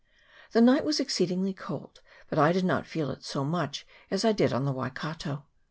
The night was exceedingly cold, but I did not feel it so much as I did on the Waikato.